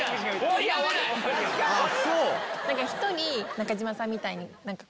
中島さんみたいに。